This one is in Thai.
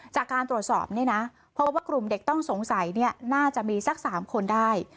จากการตรวจสอบเนี่ยนะเพราะว่ากลุ่มเด็กต้องสงสัยน่าจะมีสัก๓คนได้